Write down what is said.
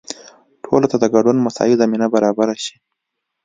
ټولو ته د ګډون مساوي زمینه برابره شي.